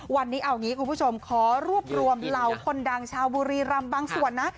วันนี้เอางี้คุณผู้ชมขอรวบรวมเหล่าคนดังชาวบุรีรำบางส่วนนะ